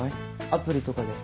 アプリとかで。